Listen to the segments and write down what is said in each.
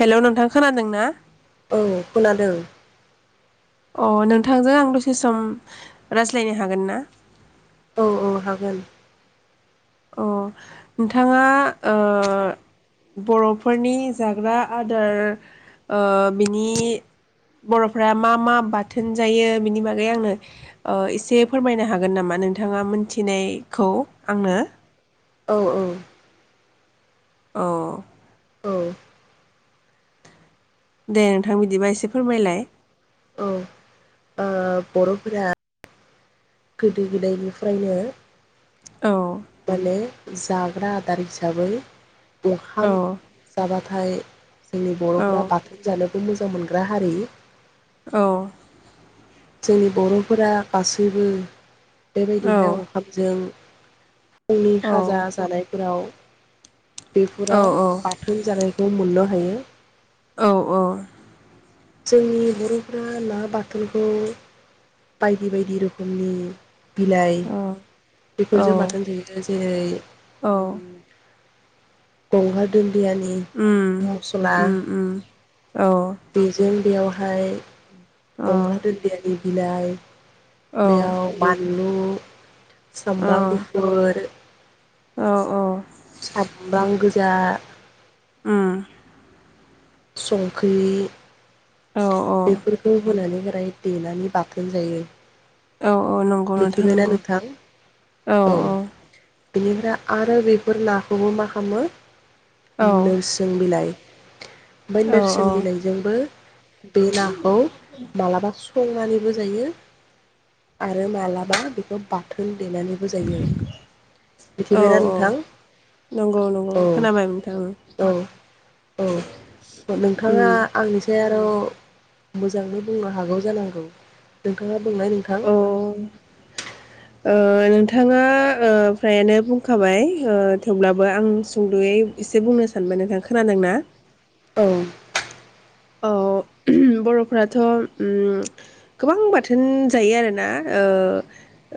Hello नोंथां खोनादों ना? औ खोनादों। अ नोंथांजों आं दसे सम रायज्लायनो हागोन ना? औ औ हागोन। अ नोंथाङा ओ बर'फोरनि जाग्रा आदार ओ बिनि बर'फ्रा मा मा बाथोन जायो बिनि बागै ओ आंनो एसे फोरमायनो हागोन नामा नोंथाङा मोन्थिनायखौ आंनो? औ औ। औ। औ। दे नोंथां बिदिबा एसे फोरमायलाय। औ ओ बर'फोरा। गोदो गोदायनिफ्रायनो औ माने जाग्रा आदार हिसाबै ओंखाम औ जाबा ओमफाय जोंनि औ बर'फ्रा बाथोन जालोब बेखौ मोजां मोनग्रा हारि। औ। जोंनि बर'फोरा गासैबो बेबायदिहाय औ ओंखामजों गावनि औ खाजा जानायफोराव औ बेफोराव बा थोन जानायखौ मोननो हायो। औ औ। जोंनि बर'फोरा ना बाथोनखौ बायदि बायदि रोखोमनि बिलाइ औ बेफोरजों बाथोन जायो। ओ जेरै उम औ दंहा दोन बियानि उम मस एखम्बा उम उम औ बेजों बेयावहाय अ गंगार दुनदियानि बिलाइ औ बेयाव बानलु, औ सामब्राम गुफुर, औ औ सामब्राम गोजा, उम संख्रि औ औ बेफोरखौ होनानै राय देनानै बाथोन जायो। औ औ नंगौ नोंथां मिथिबायना नंगौ नोंथां औ औ। बेनिफ्राय आरो बेफोर नाखौबो मा खामो। औ नोरसों बिलाइ ओमफाय औ नोरसोन बिलाइजोंबो बे नाखौ मालाबा संनानैबो जायो। आरो मालाबा बेखौ बाथोन देनानैबो जायो। मिथिबायना नोंथां? नंगौ औ खोनाबाय नोथां औ। औ। नोंथाङा आंनिसाय आर' मोजाङै बुंनो हागौ जानांगौ नोंथाङा बुंनाय नोंथां। औ ओ नोंथाङा ओ फ्रायानो बुंखाबाय ओ थेवब्लाबो आं सुंद'यै एसे बुंनो सानबाय नोंथाङा खोनादोंना? औ। औ बर'फ्राथ' उम गोबां बाथोन जायो आरोना ओ।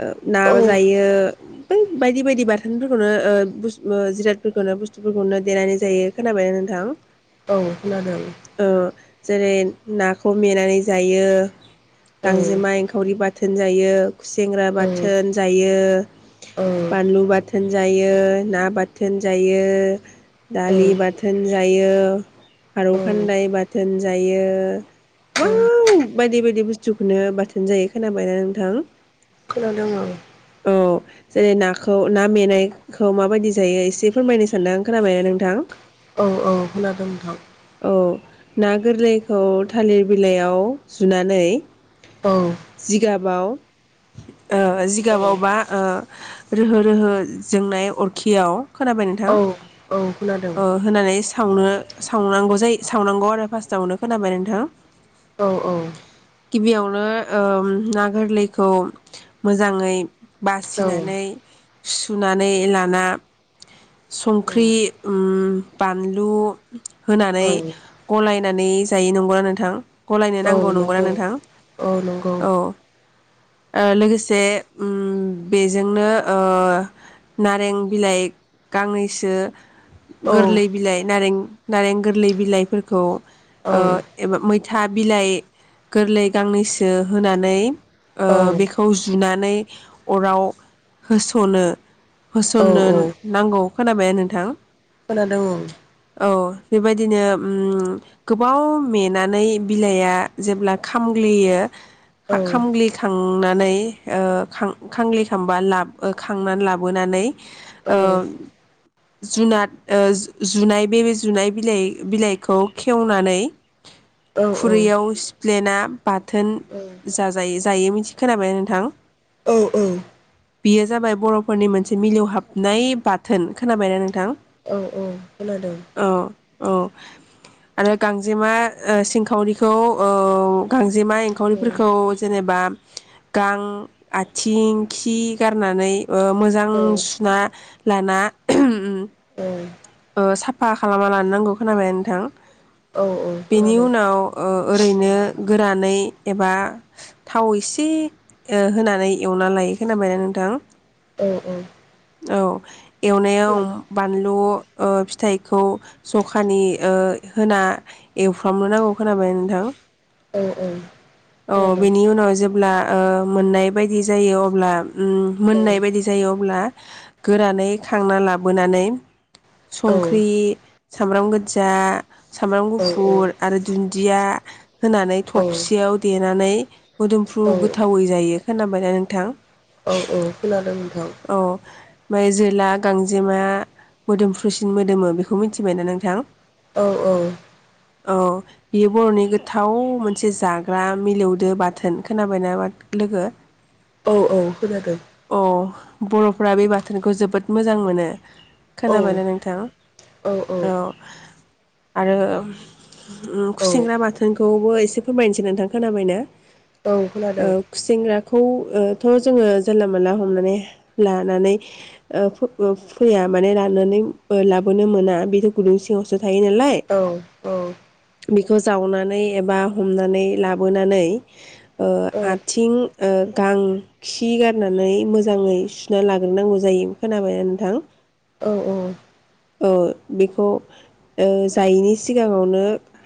ओ ना औ जायो। बै बायदि बायदि बाथोनफोरखौनो ओ बुस जिरादफोरखौनो बुस्थुफोरखौनो देनानै जायो खोनाबाय नोंथां। औ खोनादों। ओ जेरै नाखौ मेनानै जायो। औ गांजेमा एंखावरि बाथ बाथोन जायो गुसेेंग्रा औ बाथोन जायो औ बानलु बाथोन जायो ना बाथोन जायो औ दालि खोनादों बाथोन जायो खारौ खान्दाय बाथोन जायो औ औ गोबां बायदि बायदि बुस्थुखौनो बाथोन जायो खोनाबायना नोंथां। खोनादों ओं। औ जेरै नाखौ ना मेंनायखौ माबायदि जायो एसे फोरमायनो सानदों खोनाबायना नोंथां? औ औ खोनादों नोंथां। औ ना गोरलैखौ थालिर बिलाइयाव जुनानै औ जि गाबाव ओ औ [unintelligible] रोहो रोहो जोंनाय अरखियाव खोनाबाय नोंथां औ औ खोनादों अर होननानै सावनो सावनांगौ जायो सावनांगौ आरो फार्स्टआवनो खोनाबाय नोंथां? औ औ गिबियावनो ओ ना गोरलैखौ मोजाङै औ बासिनानै सुनानै लाना संख्रि ओम बानलु होनानै औ गलाय नानै जायो नंगौना नोंथां? गलायनो औ नांगौ नंगौना नंगौ नोंथां औ नंगौ औ। ओ लोगोसे ओम बेजोंनो ओ नारें बिलाइ गांनैसो औ गोरलै बिलाइ नारें नारें गोरलै बिलाइफोरखौ औ ओ एबा मै दां बिलाइ गोरलै गांनैसो होनानै ओ बेखौ जुनानै नै अराव होस'नो औ होसननो औ नांगौ खोनाबाय नोंथां खोनादों औ बेबायदि बिदिनो ओम गोबाव मेनानै बिलाइया जेब्ला खामग्लियो औ खामग्लिखांनानै ओ खाम खांग्लिखांबा ला खांनानै लाबोनानै औ जुनाद जुनाय बे जुनाय बिलाइ बिलाइखौ खेवनानै औ खुरैयाव सिप्लेना बाथोन जाजायो जायो मिथि खोनाबायना नोंथां औ बेयो जाबाय बरफोरनि मोनसे मिलौहाबनाय बाथोन खोनाबायना नोंथां औ औ खोनादों औ औ आरो गांजेमा ओ सिंखावरिखौ औ गांजेमा औ एंखावरिफोरखौ जेनेबा गां आथिं खि गारनानै ओ मोजां औ सुना लाना औ ओ साफा खालामना लानो नांगौ खोनाबाय नोंथां औ खोनादों औ बेनि खोनादों उनाव ओ ओरैनो गोरानै एबा थाव एसे ओ होना एवना लायो खोनाबायना नोंथां औ औ औ एवनायाव बानलु ओ फिथाइखौ जखानि ओ होना एवफ्रामनो नांगौ खोनाबाय नोंथां औ बेनि उनाव जे अब्ला ओ मोननाय बायदि जायो अब्ला उम मोननाय बायदि जायो अब्ला गोरानै खांना लाबोनानै संख्रि औ सामब्राम गोदजा सामब्राम औ गुफुर आरो दुन्दिया होनानै औ थबसियाव देनानै मोदोमफ्रु गोथावै जायो खोनाबाय ना नोंथां औ औ खोनादों नोंथां माय जोला गांजेमा मोदोमफ्रुसिन मोदोमो बेखौ मिथिबायना नोंथां? औ औ। औ बेयो बर'नि गोथाव मोनसे जाग्रा मिलौदो बाथोन, खोनाबायना लोगो? औ औ खोनादों। बर'फ फोरा बे बाथोनखौ जोबोद मोजां मोनो। औ खोनाबायना नोंथां? औ अह। आरो खुसेंग्रा बाथोनखौबो एसे फोरमायनोसै नोंथां, खोनाबायना? औ ओ खोनादों खुसेंग्राखौ ओ थ' जोंङो जानला मोनला हमनानै लानानै ओ फो-फैया माने लानानै लाबोनो मोना, बेथ' गुदुं सिङावसो थायो नालाय औ औ। औ बेखौ जावनानै एबा हमनानै लाबोनानै ओ आथिं, ओ गां, खि गारनानै मोजाङै सु ना लाग्रोनांगौ जायो। खोनाबायना नोंथां? औ औ। ओ बेखौ ओ जायैनि सिगाङावनो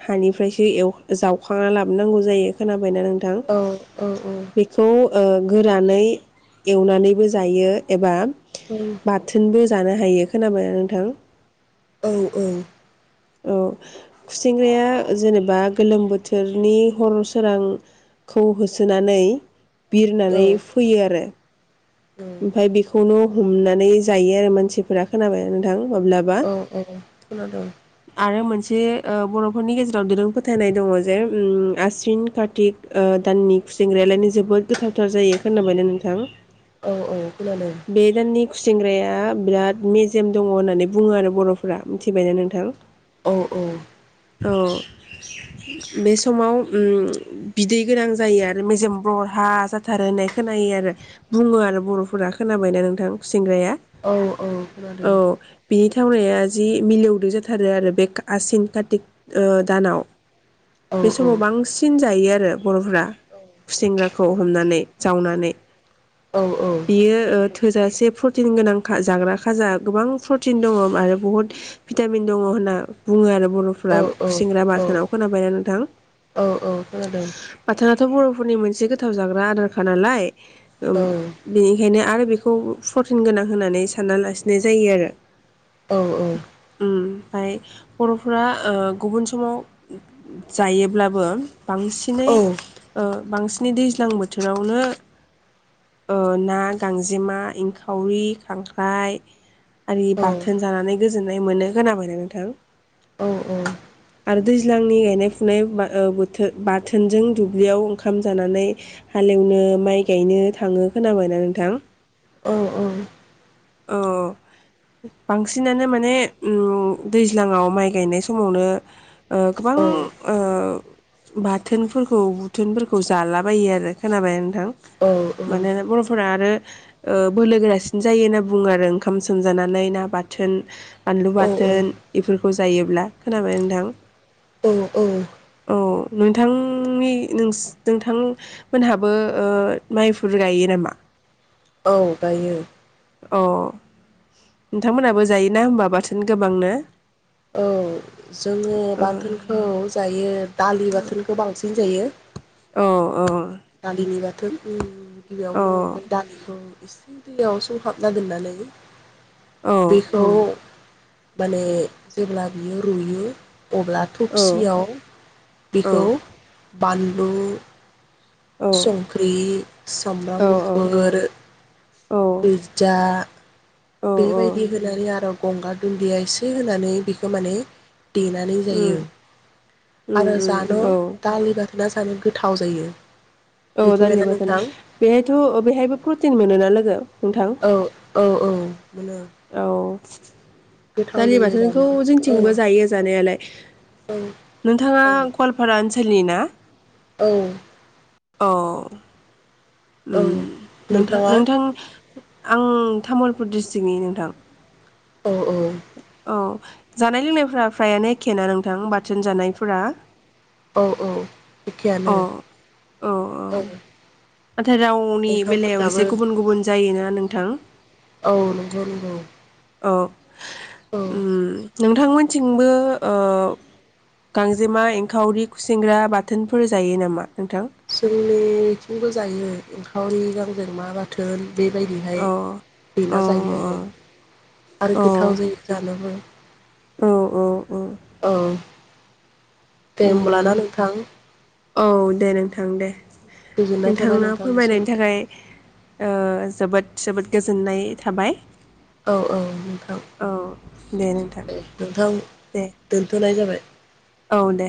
हानिफ्रायसो एव जावखांना लाबोनांगौ जायो। खोनाबायना नों थां बेखौ ओ गोरानै एवनानैबो जायो एबा बाथोनबो जानो हायो। खोनाबायना नोंथां? औ औ। औ खुसेंग्राया जेनेबा गोलोम बोथोरनि हर सोरांखौ होसोनानै बिरनानै फैयो आरो। औ ओमफ्राय बेखौनो हमनानै जायो आरो मानसिफोरा, खोनाबायना नोंथां? माब्लाबा। औ औ खोनादों आरो मोनसे जे बर'फोरनि गेजेराव दोरों फोथायनाय दङ जे आसिन कातिक दाननि खुसेंग्रायालायनो जोबोद गोथावथार जायो, खोनाबायना नोंथां? औ औ खोनादों। बे दाननि खुसेंग्राया बिराद मेजेम दङ होननानै बुङो आरो बर'फोरा, मिथिबायना नोंथां? औ औ। औ, बे समाव बिदै गोनां जायो आरो मेजेम बरहा जाथारो होननाय खोनायो आरो बुङो आरो बर'फोरा, खोनाबायना नोंथां? खुसेंग्राया। औ औ औ खोनादों बिनि सेवनाया जि मिलौदों जाथारो आरो बे आसिन कातिक ओ दानाव। औ बे औ समाव बांसिन जायो आरो बर'फोरा खुसेंग्राखौ हमनानै, जावनानै। औ बेयो ओ थो थोजासे प्रटिन गोनां जाग्रा खाजा गोबां प्रटिन दङ आरो बुहुत भिटामिन दङ होनना बुङो आरो औ बर'फ्रा खुसेंग्रा बाथोनाव खोनाबायना नों नोंथां। औ औ खोनादों। दाथ' बर'फोरनि मोनसे गोथाव जाग्रा आधारखा नालाय ओ। बेनिखायनो आरो बेखौ प्रटिन गोनां होनानै सानना लासिननाय जायो आरो। औ औ। ओमफ्राय बर'फोरा गुबुन समाव जायोब्लाबो बांसिनै ओ बांसिनै दैज्लां बोथोरावनो ना गांजेमा एंखावरि खांख्राइ आरि बाथोन जानानै गोजोननाय मोनो खोनाबायना नोंथां। औ औ। आरो दैज्लांनि गायनाय फुनाय बोथोर बाथोनजों दुब्लियाव ओंखाम जानानै हालेवनो माइ गायनो थाङो खोनाबायना नोंथां। औ औ। औ बांसिनानो माने दैज्लाङाव माइ गायनाय समावनो ओ गोबां ओ बाथोनफोरखौ बुथोनफोरखौ जालाबायो आरो खोनाबाय नोंथां माना बर'फोरा आरो। ओ बोलोगोरा सिन जायोना बुङो आरो ओंखाम सोमजानानै ना बाथोन बानलु बाथोन औ इफोरखौ खौ जायोब्ला खोनाबाय नोंथां? औ औ। औ नोंथांनि नोंथां मोनहाबो ओ माइफोर गायो नामा? औ गायो। अ नोंथांमोनाबो जायोना होमबा बाथोन गोबांनो? औ जोङो ओ बाथोनखौ जायो दालि बाथोनखौ बांसिन। बिदिनो जायो। औ औ। दालिनि बाथौ ओं। औ गिबियावनो ओमफ्राय दालिखौ इसे दैयाव सोहाबना दोननानै औ दैखौ। माने जेब्ला बियो रुयो अब्ला औ थफसियाव औ बेखौ बानलु संख्रि सामब्राम औ गुफुर पिज्जा औ औ बेबायदि होनानै आरो गंगार दुन्दिया एसे होनानै बेखौ माने देनानै उम जायो उम आरो उम जान' औ दालि बाथोना जानो गोथाव जायो औ दालि मिथिबायना बाथोना नोंथां बेहायथ' बेहायबो प्रटिन मोनोना लोगो? नोंथां औ औ औ मोनो औ [inaudible] गोथाव दालि जायो बाथोनखौ जानो औ जोंथिंबो जायो जानायालाय औ नोंथाङा औ गवालपारा ओनसोल सोलियोना? औ औ औ ओम नोंथां नोंथाङा नोंथां आं तामुलपुर डिस्ट्रिक्टनि नोंथां औ औ औ जानाय लोंनायफोरा फ्रायानो एखे ना नोंथां बाथोन जानायफोरा अ औ औ औ एखेयानो औ नाथाय रावनि बेलायाव नोंथांमोनाबो एसे गुबुन गुबुन जायोना नों थां औ नंगौ नंगौ औ औ अम नों थांमोनथिंबो ओ गांजेमा, एंखावरि, खुसेंग्रा बाथोनफोर जायो नामा नोंथां जोंनिथिंबो जायो [unintelligible] खावरि, गांजेमा बाथोन बेबायदिहाय अ अ देना जायो अ आरो आरो औ गोथाव जायो जानोबो औ औ औ औ दे उम होमब्लाना नोंथां औ दे नोंथां दे गोजोननाय थाबाय नोंथां नोंथांनिसिम फोरमायनायनि थाखाय ओ जोबोद जोबोद गोजोननाय थाबाय औ औ नोंथां औ दे नोंथां दे दोनथ'नाय जाबाय औ दे